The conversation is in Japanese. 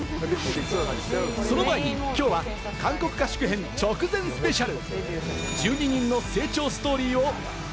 その前にきょうは韓国合宿編、直前スペシャル。